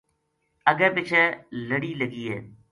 اگے پچھے لڑی لگی ہے